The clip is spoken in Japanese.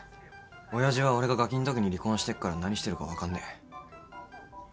親父は俺がガキんときに離婚してっから何してるか分かんねえ。